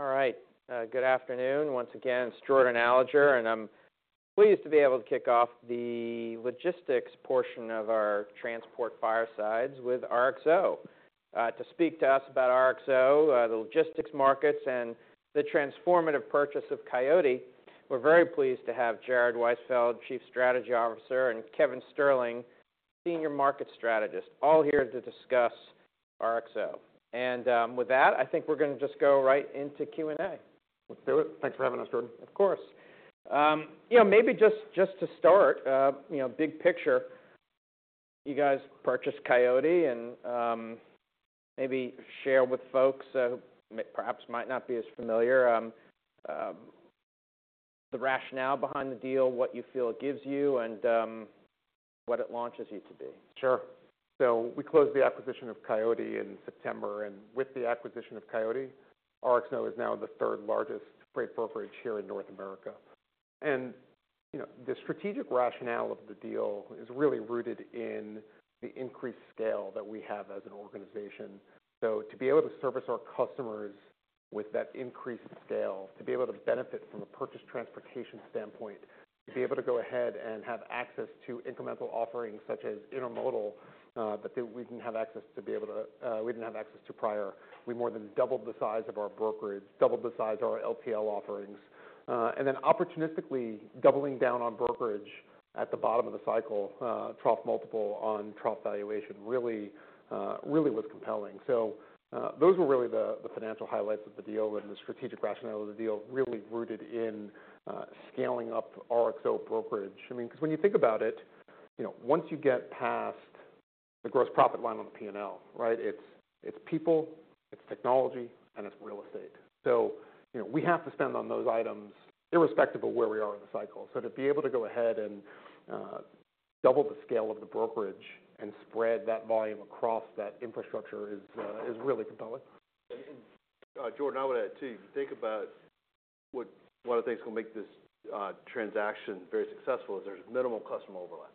All right. Good afternoon once again. It's Jordan Alliger, and I'm pleased to be able to kick off the logistics portion of our transport firesides with RXO. To speak to us about RXO, the logistics markets, and the transformative purchase of Coyote, we're very pleased to have Jared Weisfeld, Chief Strategy Officer, and Kevin Sterling, Senior Market Strategist, all here to discuss RXO, and with that, I think we're going to just go right into Q&A. Let's do it. Thanks for having us, Jordan. Of course. Maybe just to start, big picture, you guys purchased Coyote, and maybe share with folks who perhaps might not be as familiar the rationale behind the deal, what you feel it gives you, and what it launches you to be? Sure. So we closed the acquisition of Coyote in September, and with the acquisition of Coyote, RXO is now the third largest freight brokerage here in North America. The strategic rationale of the deal is really rooted in the increased scale that we have as an organization. So to be able to service our customers with that increased scale, to be able to benefit from a purchased transportation standpoint, to be able to go ahead and have access to incremental offerings such as intermodal that we didn't have access to prior, we more than doubled the size of our brokerage, doubled the size of our LTL offerings. Then opportunistically doubling down on brokerage at the bottom of the cycle, trough multiple on trough valuation really was compelling. So those were really the financial highlights of the deal, and the strategic rationale of the deal really rooted in scaling up RXO brokerage. I mean, because when you think about it, once you get past the gross profit line on the P&L, it's people, it's technology, and it's real estate. So we have to spend on those items irrespective of where we are in the cycle. So to be able to go ahead and double the scale of the brokerage and spread that volume across that infrastructure is really compelling. And Jordan, I would add too, if you think about what I think is going to make this transaction very successful is there's minimal customer overlap.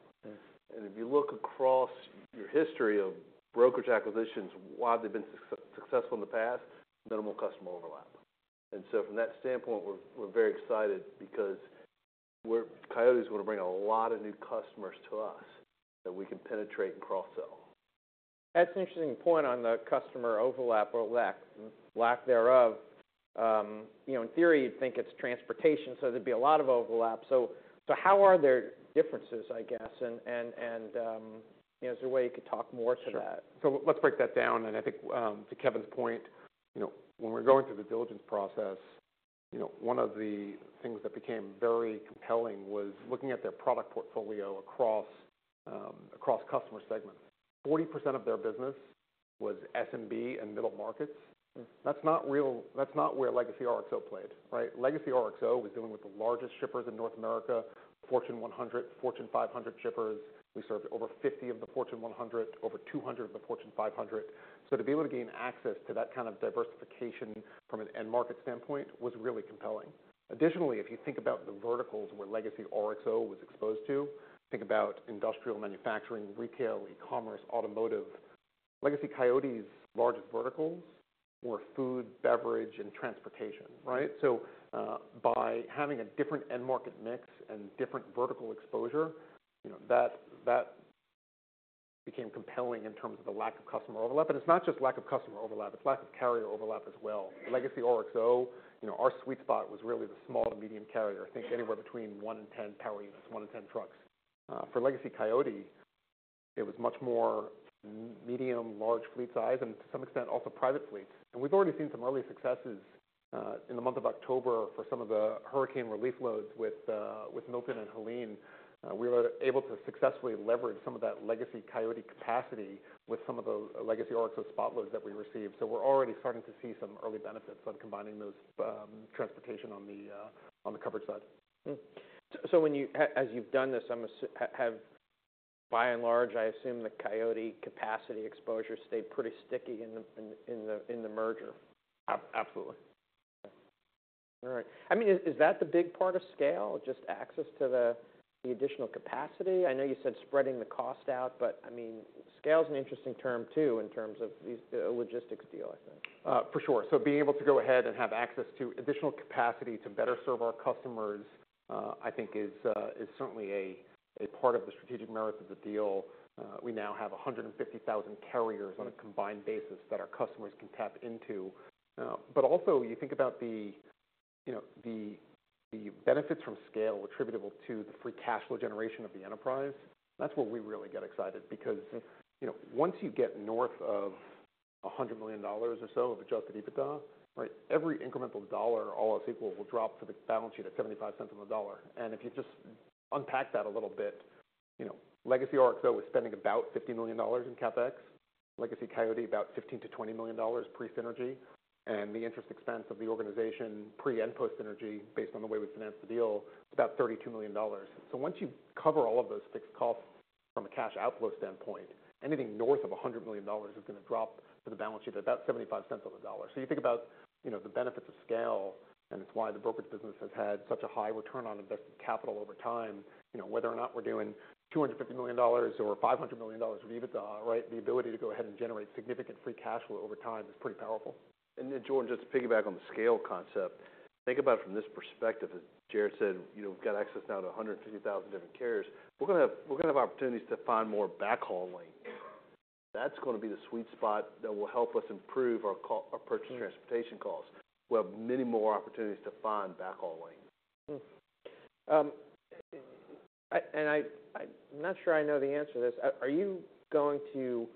And if you look across your history of brokerage acquisitions, why they've been successful in the past, minimal customer overlap. And so from that standpoint, we're very excited because Coyote is going to bring a lot of new customers to us that we can penetrate and cross-sell. That's an interesting point on the customer overlap or lack thereof. In theory, you'd think it's transportation, so there'd be a lot of overlap. So how are there differences, I guess, and is there a way you could talk more to that? Let's break that down. And I think to Kevin's point, when we're going through the diligence process, one of the things that became very compelling was looking at their product portfolio across customer segments. 40% of their business was SMB and middle markets. That's not where legacy RXO played. Legacy RXO was dealing with the largest shippers in North America, Fortune 100, Fortune 500 shippers. We served over 50 of the Fortune 100, over 200 of the Fortune 500. So to be able to gain access to that kind of diversification from an end market standpoint was really compelling. Additionally, if you think about the verticals where legacy RXO was exposed to, think about industrial manufacturing, retail, e-commerce, automotive. Legacy Coyote's largest verticals were food, beverage, and transportation. So by having a different end market mix and different vertical exposure, that became compelling in terms of the lack of customer overlap. And it's not just lack of customer overlap, it's lack of carrier overlap as well. Legacy RXO, our sweet spot was really the small to medium carrier, I think anywhere between one and 10 power units, one and 10 trucks. For legacy Coyote, it was much more medium, large fleet size, and to some extent also private fleets. And we've already seen some early successes in the month of October for some of the hurricane relief loads with Milton and Helene. We were able to successfully leverage some of that legacy Coyote capacity with some of the legacy RXO spot loads that we received. So we're already starting to see some early benefits on combining those transportation on the coverage side. So as you've done this, by and large, I assume the Coyote capacity exposure stayed pretty sticky in the merger. Absolutely. All right. I mean, is that the big part of scale, just access to the additional capacity? I know you said spreading the cost out, but I mean, scale is an interesting term too in terms of a logistics deal, I think. For sure. So being able to go ahead and have access to additional capacity to better serve our customers, I think, is certainly a part of the strategic merit of the deal. We now have 150,000 carriers on a combined basis that our customers can tap into. But also, you think about the benefits from scale attributable to the free cash flow generation of the enterprise, that's where we really get excited because once you get north of $100 million or so of Adjusted EBITDA, every incremental dollar all else equal will drop to the balance sheet at 75 cents on the dollar. And if you just unpack that a little bit, legacy RXO was spending about $50 million in CapEx, legacy Coyote about $15 million-$20 million pre-synergy, and the interest expense of the organization pre- and post-synergy based on the way we financed the deal, it's about $32 million. So once you cover all of those fixed costs from a cash outflow standpoint, anything north of $100 million is going to drop to the balance sheet at about 75 cents on the dollar. So you think about the benefits of scale, and it's why the brokerage business has had such a high return on invested capital over time. Whether or not we're doing $250 million or $500 million of EBITDA, the ability to go ahead and generate significant free cash flow over time is pretty powerful. Jordan, just to piggyback on the scale concept, think about it from this perspective. As Jared said, we've got access now to 150,000 different carriers. We're going to have opportunities to find more backhaul lanes. That's going to be the sweet spot that will help us improve our purchased transportation costs. We'll have many more opportunities to find backhaul lanes. I'm not sure I know the answer to this. Are you going to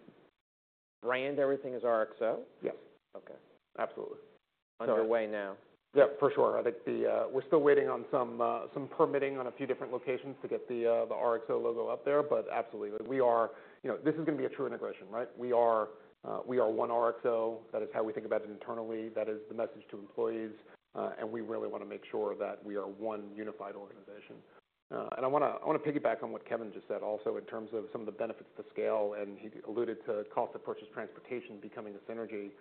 brand everything as RXO? Yes. Okay. Absolutely. Underway now. Yeah, for sure. We're still waiting on some permitting on a few different locations to get the RXO logo up there, but absolutely. This is going to be a true integration. We are one RXO. That is how we think about it internally. That is the message to employees. And we really want to make sure that we are one unified organization. And I want to piggyback on what Kevin just said also in terms of some of the benefits to scale, and he alluded to cost of purchased transportation becoming a synergy.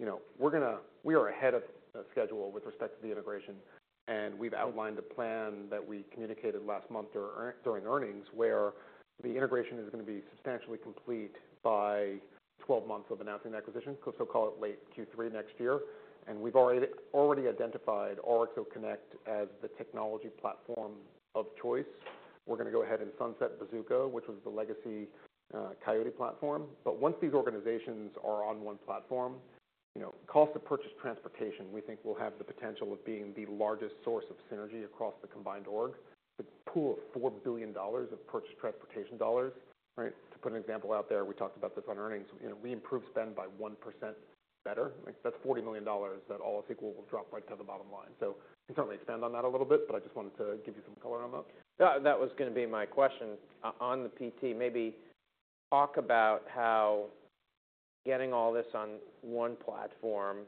We are ahead of schedule with respect to the integration. And we've outlined a plan that we communicated last month during earnings where the integration is going to be substantially complete by 12 months of announcing the acquisition, so call it late Q3 next year. And we've already identified RXO Connect as the technology platform of choice. We're going to go ahead and sunset Bazooka, which was the legacy Coyote platform. But once these organizations are on one platform, cost of purchased transportation, we think we'll have the potential of being the largest source of synergy across the combined org. The pool of $4 billion of purchased transportation dollars, to put an example out there, we talked about this on earnings. We improved spend by 1% better. That's $40 million that all else equal will drop right to the bottom line. So we certainly expand on that a little bit, but I just wanted to give you some color on that. That was going to be my question. On the PT, maybe talk about how getting all this on one platform,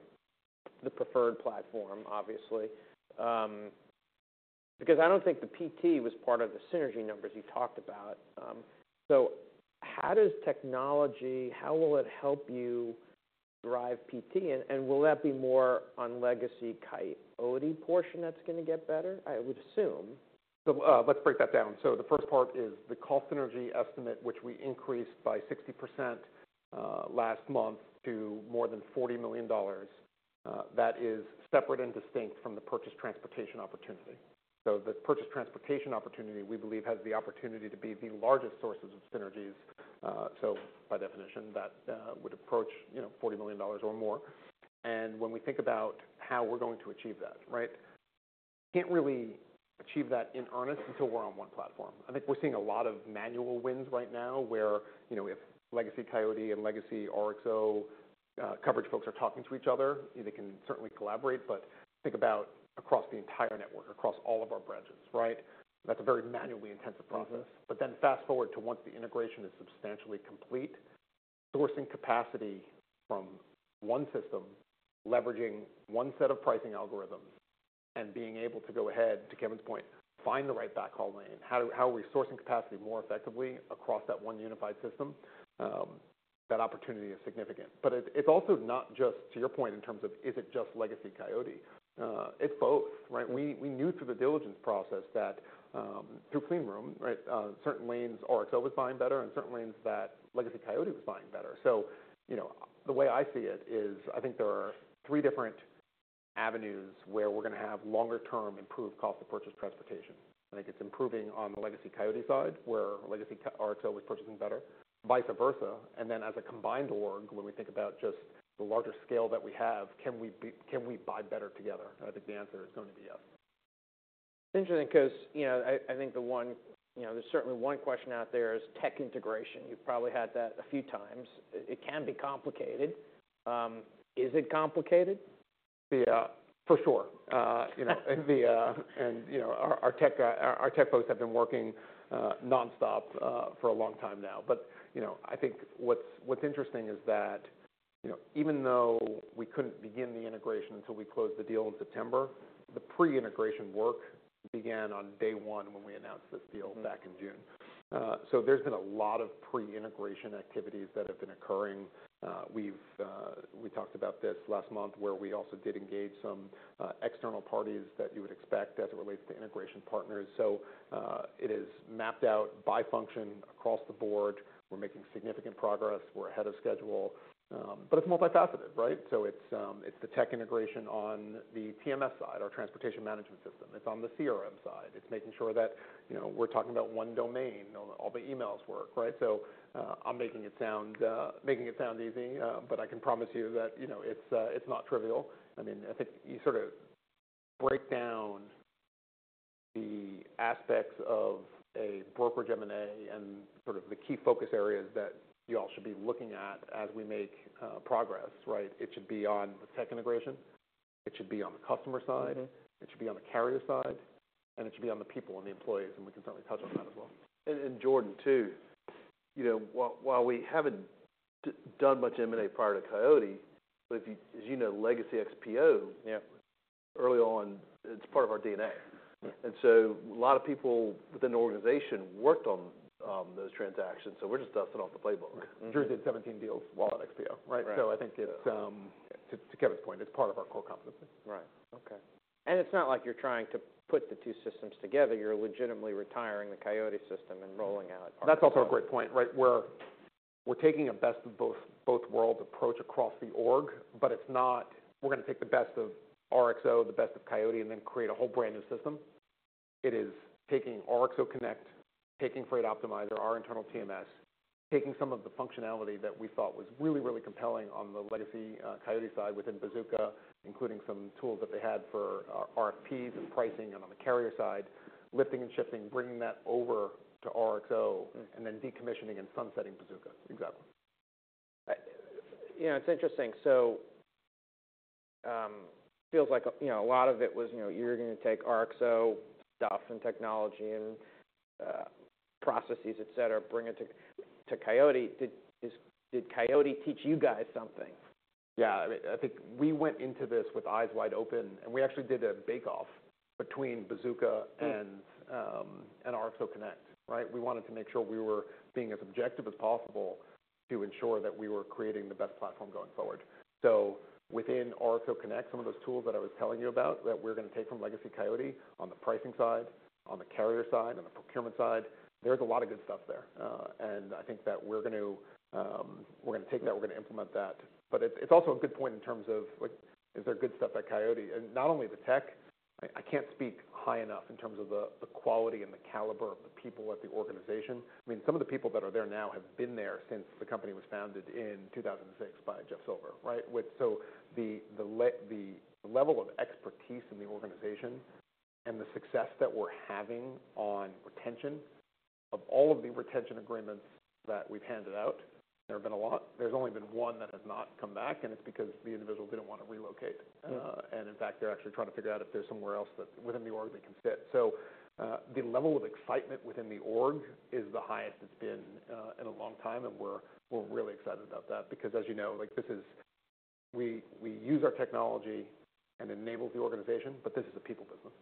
the preferred platform, obviously, because I don't think the PT was part of the synergy numbers you talked about. So how does technology, how will it help you drive PT? And will that be more on legacy Coyote portion that's going to get better? I would assume. Let's break that down. So the first part is the cost synergy estimate, which we increased by 60% last month to more than $40 million. That is separate and distinct from the purchased transportation opportunity. So the purchased transportation opportunity, we believe, has the opportunity to be the largest sources of synergies, so by definition, that would approach $40 million or more. And when we think about how we're going to achieve that, we can't really achieve that in earnest until we're on one platform. I think we're seeing a lot of manual wins right now where if legacy Coyote and legacy RXO coverage folks are talking to each other, they can certainly collaborate, but think about across the entire network, across all of our branches. That's a very manually intensive process. But then fast forward to once the integration is substantially complete, sourcing capacity from one system, leveraging one set of pricing algorithms, and being able to go ahead, to Kevin's point, find the right backhaul lane. How are we sourcing capacity more effectively across that one unified system? That opportunity is significant. But it's also not just, to your point, in terms of is it just legacy Coyote. It's both. We knew through the diligence process that through clean room, certain lanes RXO was buying better and certain lanes that legacy Coyote was buying better. So the way I see it is I think there are three different avenues where we're going to have longer-term improved cost of purchased transportation. I think it's improving on the legacy Coyote side where legacy RXO was purchasing better, vice versa. And then as a combined org, when we think about just the larger scale that we have, can we buy better together? I think the answer is going to be yes. Interesting, because I think there's certainly one question out there: is tech integration. You've probably had that a few times. It can be complicated. Is it complicated? For sure. And our tech folks have been working nonstop for a long time now. But I think what's interesting is that even though we couldn't begin the integration until we closed the deal in September, the pre-integration work began on day one when we announced this deal back in June. So there's been a lot of pre-integration activities that have been occurring. We talked about this last month where we also did engage some external parties that you would expect as it relates to integration partners. So it is mapped out by function across the board. We're making significant progress. We're ahead of schedule. But it's multifaceted. So it's the tech integration on the TMS side, our transportation management system. It's on the CRM side. It's making sure that we're talking about one domain. All the emails work. So I'm making it sound easy, but I can promise you that it's not trivial. I mean, I think you sort of break down the aspects of a brokerage M&A and sort of the key focus areas that you all should be looking at as we make progress. It should be on the tech integration. It should be on the customer side. It should be on the carrier side. And it should be on the people and the employees. And we can certainly touch on that as well. And Jordan, too, while we haven't done much M&A prior to Coyote, as you know, legacy XPO, early on, it's part of our DNA. And so a lot of people within the organization worked on those transactions. So we're just dusting off the playbook. Drew did 17 deals while at XPO. So I think to Kevin's point, it's part of our core competency. Right. Okay. And it's not like you're trying to put the two systems together. You're legitimately retiring the Coyote system and rolling out. That's also a great point. We're taking a best of both worlds approach across the org, but it's not we're going to take the best of RXO, the best of Coyote, and then create a whole brand new system. It is taking RXO Connect, taking Freight Optimizer, our internal TMS, taking some of the functionality that we thought was really, really compelling on the legacy Coyote side within Bazooka, including some tools that they had for RFPs and pricing and on the carrier side, lifting and shifting, bringing that over to RXO, and then decommissioning and sunsetting Bazooka. Exactly. It's interesting. So it feels like a lot of it was you're going to take RXO stuff and technology and processes, etc., bring it to Coyote. Did Coyote teach you guys something? Yeah. I think we went into this with eyes wide open, and we actually did a bake-off between Bazooka and RXO Connect. We wanted to make sure we were being as objective as possible to ensure that we were creating the best platform going forward. So within RXO Connect, some of those tools that I was telling you about that we're going to take from legacy Coyote on the pricing side, on the carrier side, on the procurement side, there's a lot of good stuff there. And I think that we're going to take that. We're going to implement that. But it's also a good point in terms of is there good stuff at Coyote? And not only the tech, I can't speak high enough in terms of the quality and the caliber of the people at the organization. I mean, some of the people that are there now have been there since the company was founded in 2006 by Jeff Silver, so the level of expertise in the organization and the success that we're having on retention of all of the retention agreements that we've handed out, there have been a lot. There's only been one that has not come back, and it's because the individual didn't want to relocate, and in fact, they're actually trying to figure out if there's somewhere else within the org they can fit, so the level of excitement within the org is the highest it's been in a long time, and we're really excited about that because, as you know, we use our technology and it enables the organization, but this is a people business.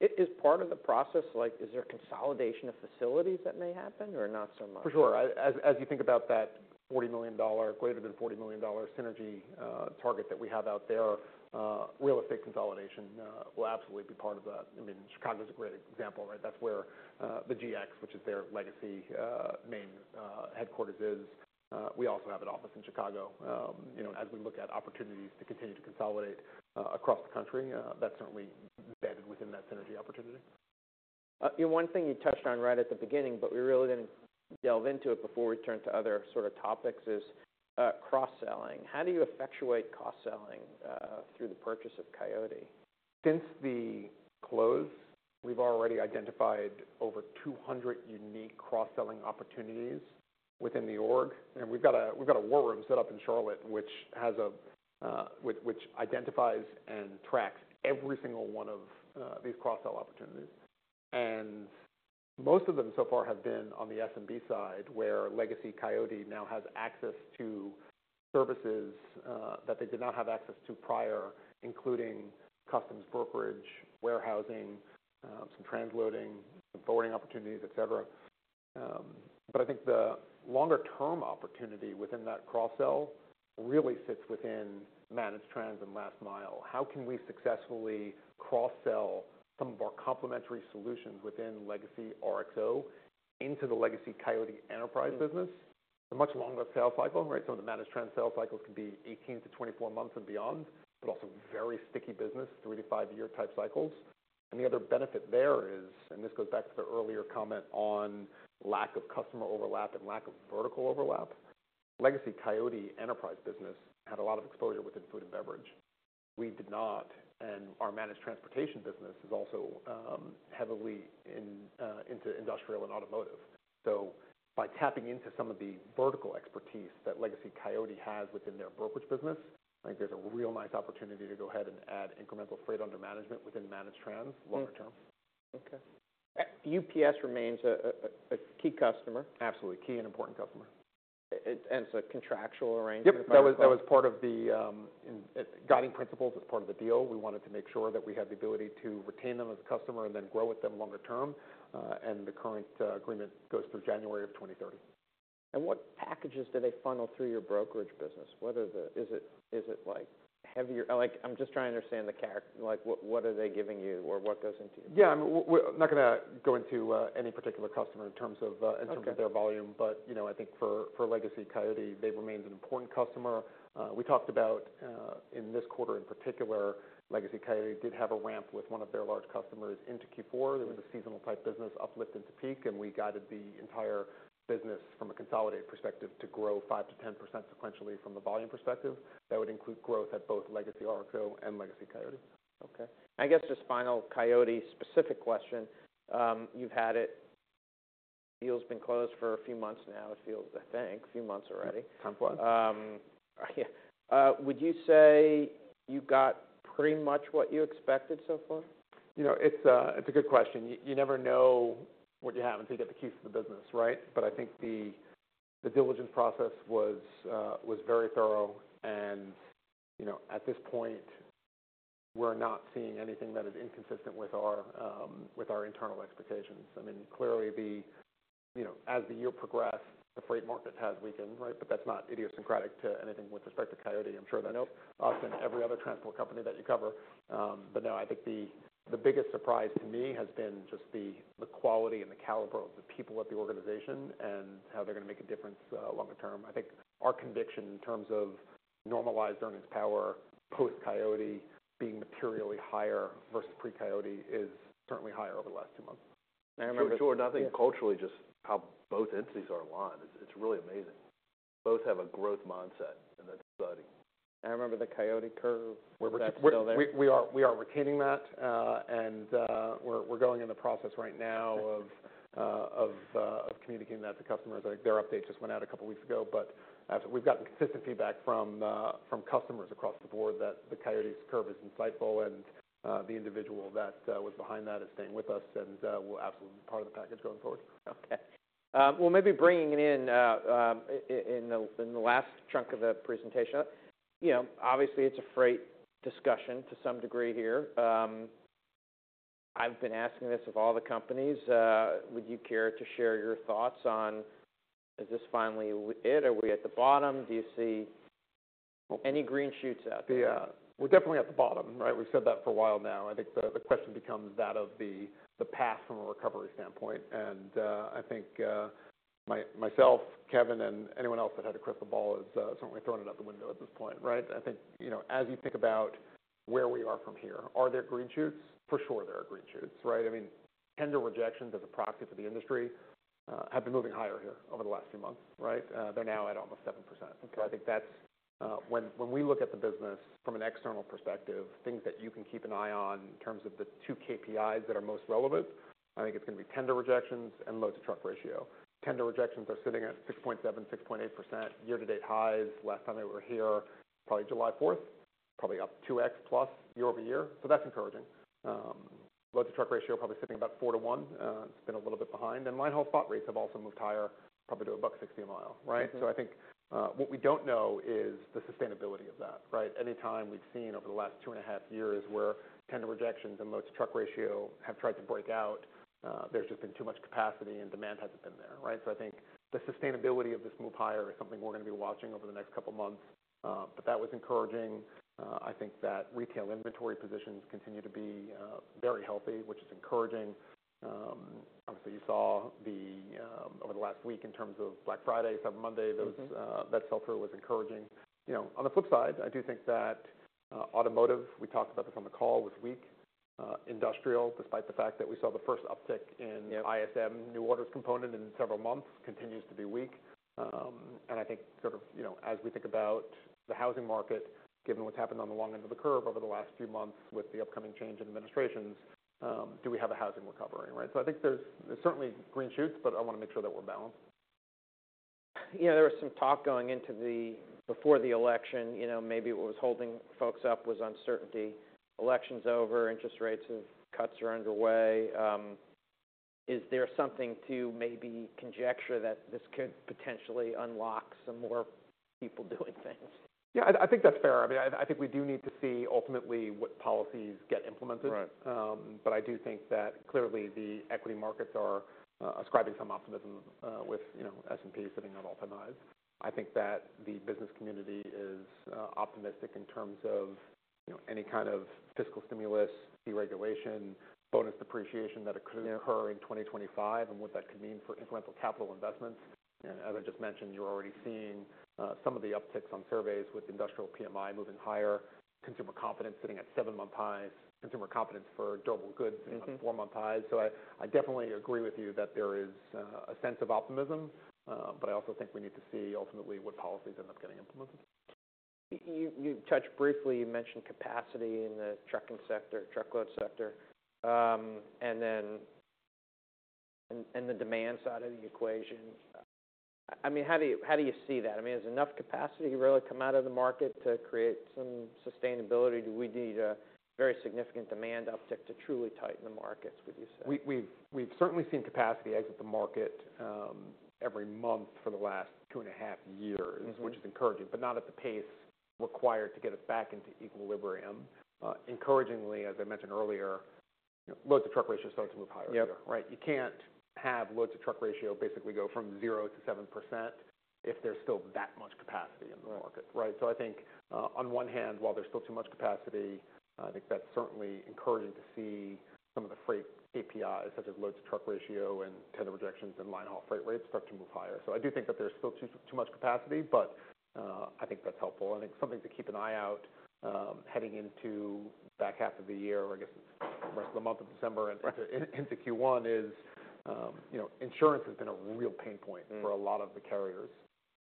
Is part of the process, is there consolidation of facilities that may happen or not so much? For sure. As you think about that $40 million, greater than $40 million synergy target that we have out there, real estate consolidation will absolutely be part of that. I mean, Chicago is a great example. That's where the GX, which is their legacy main headquarters, is. We also have an office in Chicago. As we look at opportunities to continue to consolidate across the country, that's certainly embedded within that synergy opportunity. One thing you touched on right at the beginning, but we really didn't delve into it before we turned to other sort of topics, is cross-selling. How do you effectuate cross-selling through the purchase of Coyote? Since the close, we've already identified over 200 unique cross-selling opportunities within the org, and we've got a war room set up in Charlotte, which identifies and tracks every single one of these cross-sell opportunities. Most of them so far have been on the SMB side where legacy Coyote now has access to services that they did not have access to prior, including customs brokerage, warehousing, some transloading, some forwarding opportunities, etc. I think the longer-term opportunity within that cross-sell really sits within managed trans and last mile. How can we successfully cross-sell some of our complementary solutions within legacy RXO into the legacy Coyote enterprise business? It's a much longer sales cycle. Some of the managed trans sales cycles can be 18 month-24 months and beyond, but also very sticky business, 3 year-5 year type cycles. And the other benefit there is, and this goes back to the earlier comment on lack of customer overlap and lack of vertical overlap. Legacy Coyote enterprise business had a lot of exposure within food and beverage. We did not. And our managed transportation business is also heavily into industrial and automotive. So by tapping into some of the vertical expertise that legacy Coyote has within their brokerage business, I think there's a real nice opportunity to go ahead and add incremental freight under management within managed trans longer term. Okay. UPS remains a key customer. Absolutely. Key and important customer. It's a contractual arrangement. Yep. That was part of the guiding principles as part of the deal. We wanted to make sure that we had the ability to retain them as a customer and then grow with them longer term, and the current agreement goes through January of 2030. What packages do they funnel through your brokerage business? Is it heavier? I'm just trying to understand the character. What are they giving you or what goes into your? Yeah. I'm not going to go into any particular customer in terms of their volume. But I think for legacy Coyote, they've remained an important customer. We talked about in this quarter in particular, legacy Coyote did have a ramp with one of their large customers into Q4. There was a seasonal type business uplift into peak. And we guided the entire business from a consolidated perspective to grow 5%-10% sequentially from the volume perspective. That would include growth at both legacy RXO and legacy Coyote. Okay. I guess just final Coyote specific question. You've had it. The deal's been closed for a few months now. It feels, I think, a few months already. Time flies. Would you say you got pretty much what you expected so far? It's a good question. You never know what you have until you get the keys to the business. But I think the diligence process was very thorough. And at this point, we're not seeing anything that is inconsistent with our internal expectations. I mean, clearly, as the year progressed, the freight market has weakened. But that's not idiosyncratic to anything with respect to Coyote. I'm sure that's often every other transport company that you cover. But no, I think the biggest surprise to me has been just the quality and the caliber of the people at the organization and how they're going to make a difference longer term. I think our conviction in terms of normalized earnings power post-Coyote being materially higher versus pre-Coyote is certainly higher over the last two months. I remember. For sure. Nothing culturally, just how both entities are aligned. It's really amazing. Both have a growth mindset. And that's exciting. I remember the Coyote Curve. We're still there. We are retaining that, and we're going in the process right now of communicating that to customers. Their update just went out a couple of weeks ago, but we've gotten consistent feedback from customers across the board that the Coyote Curve is insightful. The individual that was behind that is staying with us, and we'll absolutely be part of the package going forward. Maybe bringing it in the last chunk of the presentation. Obviously, it's a freight discussion to some degree here. I've been asking this of all the companies. Would you care to share your thoughts on: is this finally it? Are we at the bottom? Do you see any green shoots out there? Yeah. We're definitely at the bottom. We've said that for a while now. I think the question becomes that of the path from a recovery standpoint. And I think myself, Kevin, and anyone else that had to crystal ball is certainly throwing it out the window at this point. I think as you think about where we are from here, are there green shoots? For sure, there are green shoots. I mean, tender rejections as a proxy for the industry have been moving higher here over the last few months. They're now at almost 7%. So I think when we look at the business from an external perspective, things that you can keep an eye on in terms of the two KPIs that are most relevant, I think it's going to be tender rejections and loads-to-truck ratio. Tender rejections are sitting at 6.7%-6.8% year-to-date highs. Last time they were here, probably July 4th, probably up 2x plus year-over-year, so that's encouraging. Loads-to-truck ratio is probably sitting about 4 to 1. It's been a little bit behind, and linehaul spot rates have also moved higher, probably to $1.60 a mile. So I think what we don't know is the sustainability of that. Anytime we've seen over the last two and a half years where tender rejections and loads-to-truck ratio have tried to break out, there's just been too much capacity and demand hasn't been there. So I think the sustainability of this move higher is something we're going to be watching over the next couple of months, but that was encouraging. I think that retail inventory positions continue to be very healthy, which is encouraging. Obviously, you saw over the last week in terms of Black Friday, Cyber Monday, that sell-through was encouraging. On the flip side, I do think that automotive, we talked about this on the call, was weak. Industrial, despite the fact that we saw the first uptick in ISM, new orders component in several months, continues to be weak. And I think sort of as we think about the housing market, given what's happened on the long end of the curve over the last few months with the upcoming change in administrations, do we have a housing recovery? So I think there's certainly green shoots, but I want to make sure that we're balanced. There was some talk going into the election, maybe what was holding folks up was uncertainty. Election's over. Interest rate cuts are underway. Is there something to maybe conjecture that this could potentially unlock some more people doing things? Yeah. I think that's fair. I think we do need to see ultimately what policies get implemented. But I do think that clearly the equity markets are ascribing some optimism with S&P sitting at all-time highs. I think that the business community is optimistic in terms of any kind of fiscal stimulus, deregulation, bonus depreciation that could occur in 2025, and what that could mean for incremental capital investments. As I just mentioned, you're already seeing some of the upticks on surveys with industrial PMI moving higher, consumer confidence sitting at seven-month highs, consumer confidence for durable goods at four-month highs. So I definitely agree with you that there is a sense of optimism. But I also think we need to see ultimately what policies end up getting implemented. You touched briefly. You mentioned capacity in the trucking sector, truckload sector, and the demand side of the equation. I mean, how do you see that? I mean, is enough capacity really come out of the market to create some sustainability? Do we need a very significant demand uptick to truly tighten the markets, would you say? We've certainly seen capacity exit the market every month for the last two and a half years, which is encouraging, but not at the pace required to get us back into equilibrium. Encouragingly, as I mentioned earlier, loads-to-truck ratio starts to move higher here. You can't have loads-to-truck ratio basically go from 0%-07% if there's still that much capacity in the market. So I think on one hand, while there's still too much capacity, I think that's certainly encouraging to see some of the freight KPIs such as loads-to-truck ratio and tender rejections and linehaul freight rates start to move higher. So I do think that there's still too much capacity. But I think that's helpful. I think something to keep an eye out heading into the back half of the year, I guess the rest of the month of December into Q1, is insurance has been a real pain point for a lot of the carriers,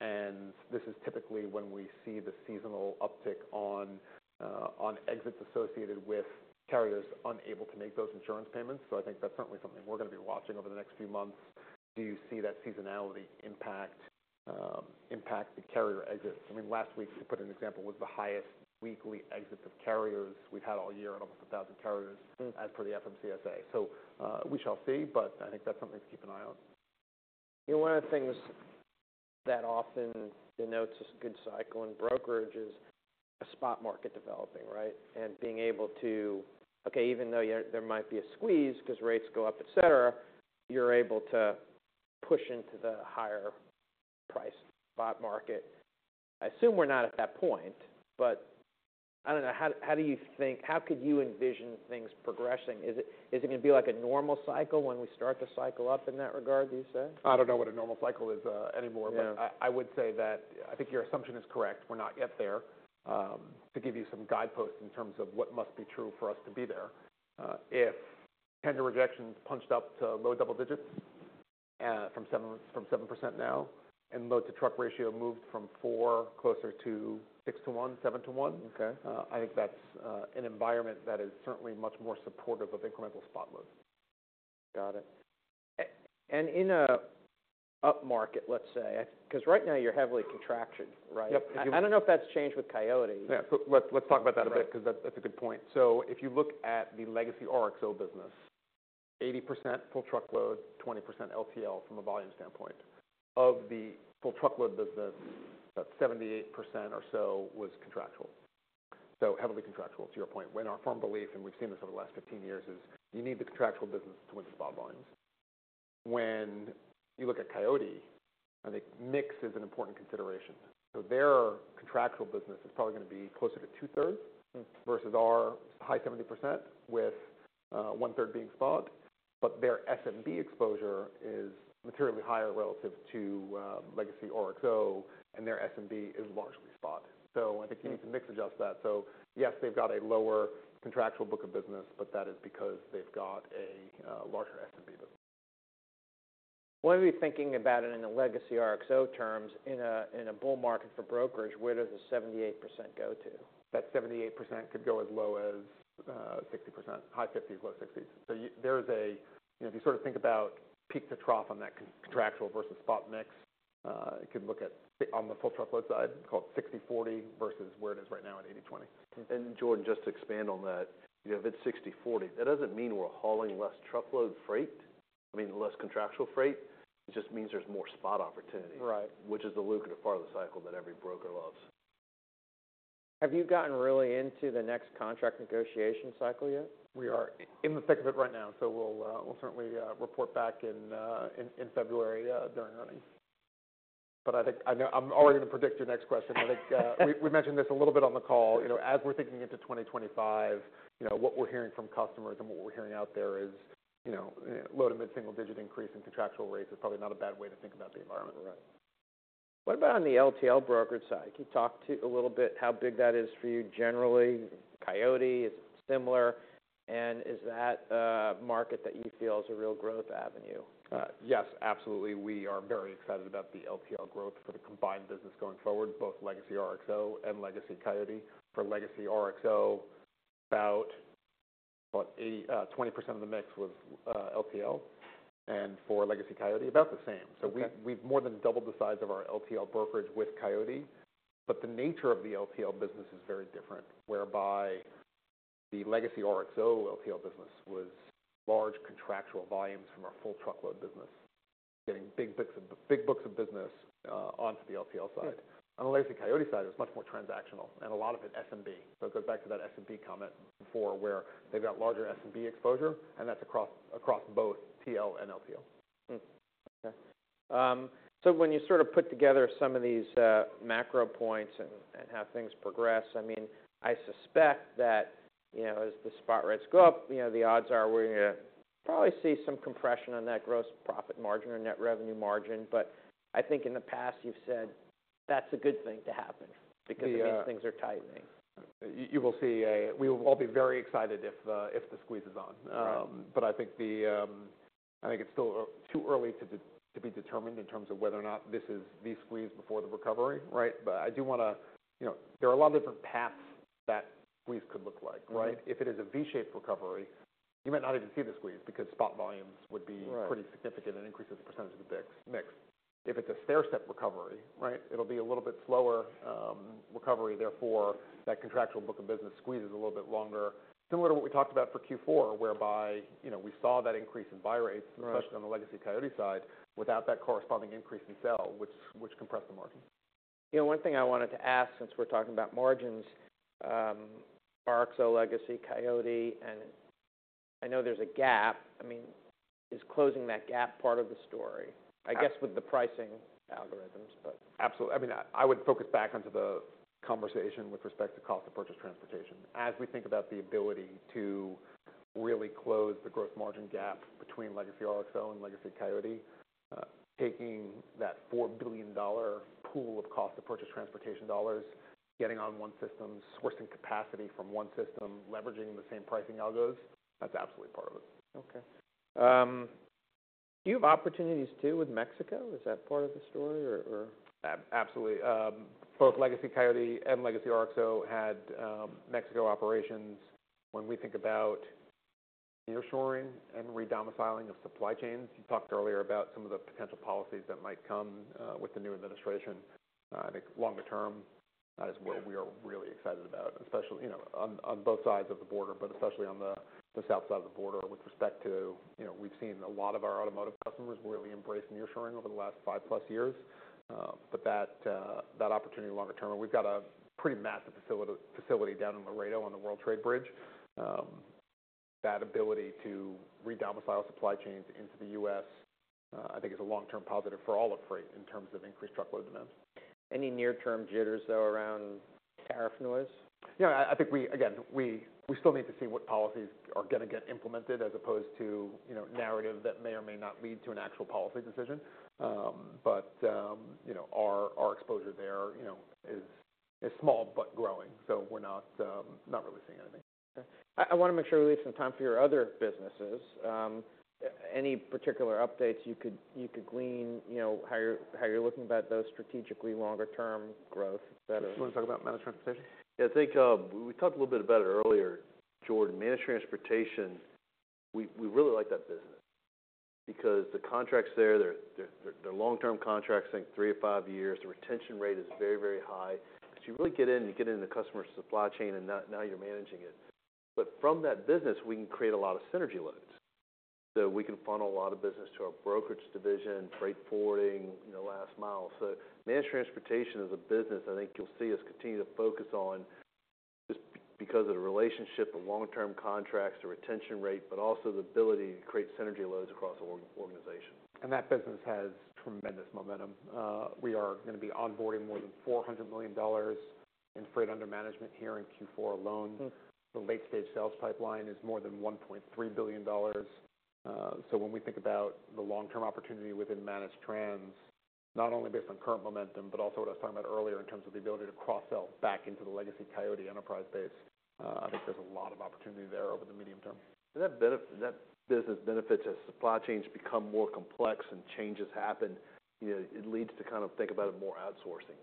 and this is typically when we see the seasonal uptick on exits associated with carriers unable to make those insurance payments, so I think that's certainly something we're going to be watching over the next few months. Do you see that seasonality impact the carrier exits? I mean, last week, to put an example, was the highest weekly exit of carriers we've had all year at almost 1,000 carriers as per the FMCSA, so we shall see, but I think that's something to keep an eye on. One of the things that often denotes a good cycle in brokerage is a spot market developing. And being able to, okay, even though there might be a squeeze because rates go up, etc., you're able to push into the higher-priced spot market. I assume we're not at that point. But I don't know. How do you think how could you envision things progressing? Is it going to be like a normal cycle when we start to cycle up in that regard, do you say? I don't know what a normal cycle is anymore. But I would say that I think your assumption is correct. We're not yet there. To give you some guideposts in terms of what must be true for us to be there. If tender rejections punched up to low double digits from 7% now and loads-to-truck ratio moved from 4 closer to 6-1, 7-1, I think that's an environment that is certainly much more supportive of incremental spot loads. Got it. And in an up market, let's say, because right now you're heavily contracted, right? Yep. I don't know if that's changed with Coyote. Yeah. Let's talk about that a bit because that's a good point, so if you look at the legacy RXO business, 80% full truckload, 20% LTL from a volume standpoint. Of the full truckload business, about 78% or so was contractual, so heavily contractual to your point, and our firm belief, and we've seen this over the last 15 years, is you need the contractual business to win the spot volumes. When you look at Coyote, I think mix is an important consideration, so their contractual business is probably going to be closer to two-thirds versus our high 70% with one-third being spot, but their SMB exposure is materially higher relative to legacy RXO, and their SMB is largely spot, so I think you need to mix adjust that, so yes, they've got a lower contractual book of business, but that is because they've got a larger SMB business. When are we thinking about it in the legacy RXO terms in a bull market for brokers, where does the 78% go to? That 78% could go as low as 60%. High 50s, low 60s. So there is, if you sort of think about peak to trough on that contractual versus spot mix, you could look at on the full truckload side, it's called 60/40 versus where it is right now at 80/20. Jordan, just to expand on that, if it's 60/40, that doesn't mean we're hauling less truckload freight. I mean, less contractual freight. It just means there's more spot opportunity, which is the lucrative part of the cycle that every broker loves. Have you gotten really into the next contract negotiation cycle yet? We are in the thick of it right now. So we'll certainly report back in February during earnings. But I think I'm already going to predict your next question. I think we mentioned this a little bit on the call. As we're thinking into 2025, what we're hearing from customers and what we're hearing out there is low to mid-single-digit increase in contractual rates is probably not a bad way to think about the environment. Right. What about on the LTL brokerage side? Can you talk to a little bit how big that is for you generally? Coyote, is it similar? And is that a market that you feel is a real growth avenue? Yes, absolutely. We are very excited about the LTL growth for the combined business going forward, both legacy RXO and legacy Coyote. For legacy RXO, about 20% of the mix was LTL, and for legacy Coyote, about the same, so we've more than doubled the size of our LTL brokerage with Coyote, but the nature of the LTL business is very different, whereby the legacy RXO LTL business was large contractual volumes from our full truckload business, getting big books of business onto the LTL side. On the legacy Coyote side, it was much more transactional, and a lot of it SMB, so it goes back to that SMB comment before where they've got larger SMB exposure, and that's across both TL and LTL. Okay. So when you sort of put together some of these macro points and how things progress, I mean, I suspect that as the spot rates go up, the odds are we're going to probably see some compression on that gross profit margin or net revenue margin. But I think in the past, you've said that's a good thing to happen because it means things are tightening. You'll see. We will all be very excited if the squeeze is on. But I think it's still too early to be determined in terms of whether or not this is the squeeze before the recovery. But I do want to. There are a lot of different paths that squeeze could look like. If it is a V-shaped recovery, you might not even see the squeeze because spot volumes would be pretty significant and increase the percentage of the mix. If it's a stair-step recovery, it'll be a little bit slower recovery. Therefore, that contractual book of business squeezes a little bit longer, similar to what we talked about for Q4, whereby we saw that increase in buy rates, especially on the legacy Coyote side, without that corresponding increase in sell, which compressed the margin. One thing I wanted to ask since we're talking about margins, RXO legacy Coyote, and I know there's a gap. I mean, is closing that gap part of the story? I guess with the pricing algorithms, but. Absolutely. I mean, I would focus back onto the conversation with respect to cost of purchased transportation. As we think about the ability to really close the gross margin gap between legacy RXO and legacy Coyote, taking that $4 billion pool of cost of purchased transportation dollars, getting on one system, sourcing capacity from one system, leveraging the same pricing algos, that's absolutely part of it. Okay. Do you have opportunities too with Mexico? Is that part of the story or? Absolutely. Both legacy Coyote and legacy RXO had Mexico operations. When we think about nearshoring and redomiciling of supply chains, you talked earlier about some of the potential policies that might come with the new administration. I think longer term, that is what we are really excited about, especially on both sides of the border, but especially on the south side of the border with respect to, we've seen a lot of our automotive customers really embrace nearshoring over the last five-plus years. But that opportunity longer term, we've got a pretty massive facility down in Laredo on the World Trade Bridge. That ability to redomicile supply chains into the U.S., I think, is a long-term positive for all of freight in terms of increased truckload demands. Any near-term jitters though around tariff noise? Yeah. I think, again, we still need to see what policies are going to get implemented as opposed to narrative that may or may not lead to an actual policy decision. But our exposure there is small but growing, so we're not really seeing anything. Okay. I want to make sure we leave some time for your other businesses. Any particular updates you could glean how you're looking about those strategically longer-term growth? You want to talk about managed transportation? Yeah. I think we talked a little bit about it earlier, Jordan. Managed transportation, we really like that business because the contracts there, they're long-term contracts, I think three to five years. The retention rate is very, very high. So you really get in and you get into the customer's supply chain and now you're managing it. But from that business, we can create a lot of synergy loads. So we can funnel a lot of business to our brokerage division, freight forwarding, last mile. So managed transportation is a business I think you'll see us continue to focus on just because of the relationship, the long-term contracts, the retention rate, but also the ability to create synergy loads across the organization. That business has tremendous momentum. We are going to be onboarding more than $400 million in freight under management here in Q4 alone. The late-stage sales pipeline is more than $1.3 billion. So when we think about the long-term opportunity within managed trans, not only based on current momentum, but also what I was talking about earlier in terms of the ability to cross-sell back into the legacy Coyote enterprise base, I think there's a lot of opportunity there over the medium term. That business benefits as supply chains become more complex and changes happen. It leads to kind of, think about it, more outsourcing.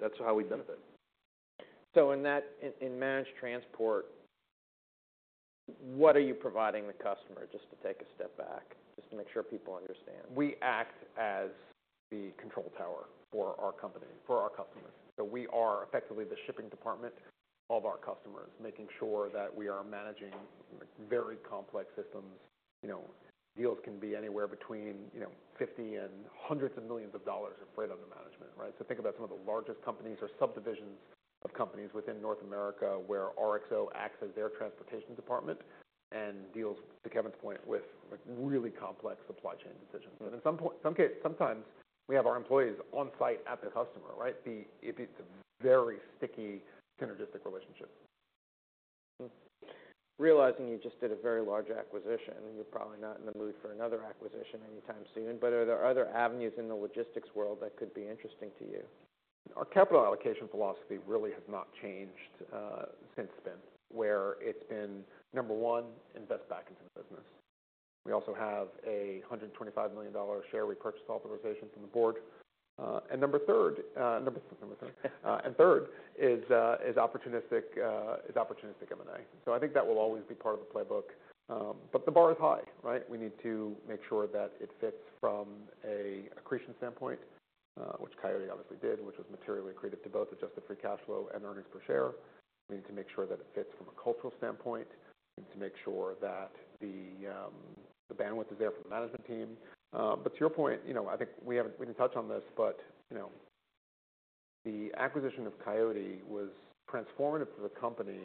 That's how we benefit. So in managed transport, what are you providing the customer just to take a step back, just to make sure people understand? We act as the control tower for our company, for our customers. We are effectively the shipping department of our customers, making sure that we are managing very complex systems. Deals can be anywhere between $50 and hundreds of millions of dollars in freight under management. Think about some of the largest companies or subdivisions of companies within North America where RXO acts as their transportation department and deals, to Kevin's point, with really complex supply chain decisions. Sometimes we have our employees on site at the customer. It's a very sticky, synergistic relationship. Realizing you just did a very large acquisition, you're probably not in the mood for another acquisition anytime soon. But are there other avenues in the logistics world that could be interesting to you? Our capital allocation philosophy really has not changed since spin, where it's been number one, invest back into the business. We also have a $125 million share repurchase authorization from the board. And number third is opportunistic M&A. So I think that will always be part of the playbook. But the bar is high. We need to make sure that it fits from an accretion standpoint, which Coyote obviously did, which was materially accretive to both adjusted free cash flow and earnings per share. We need to make sure that it fits from a cultural standpoint. We need to make sure that the bandwidth is there for the management team. But to your point, I think we didn't touch on this, but the acquisition of Coyote was transformative for the company,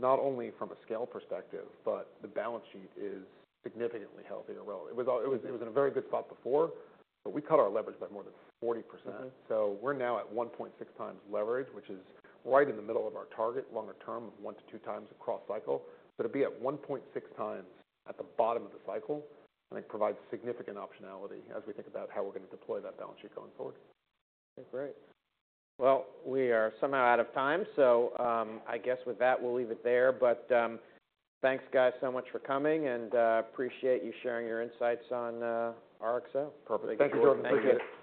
not only from a scale perspective, but the balance sheet is significantly healthier. It was in a very good spot before, but we cut our leverage by more than 40%. So we're now at 1.6x leverage, which is right in the middle of our target longer term of 1x-2x across cycle. But to be at 1.6x at the bottom of the cycle, I think provides significant optionality as we think about how we're going to deploy that balance sheet going forward. Okay. Great. Well, we are somehow out of time. So I guess with that, we'll leave it there. But thanks, guys, so much for coming. And appreciate you sharing your insights on RXO. Perfect. Thank you, Jordan. Thank you.